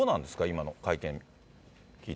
今の会見聞いてて。